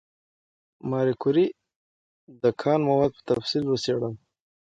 ماري کوري د کان مواد په تفصیل وڅېړل.